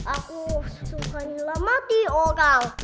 aku sukanila mati oral